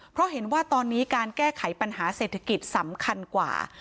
เพราะเห็นว่าตอนนี้การแก้ไขปัญหาเศรษฐกิจสำคัญกว่า